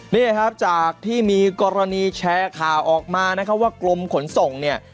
นี่ครับจากที่มีกรณีแชร์ข่าวออกมานะครับว่ากรมขนส่งเนี่ย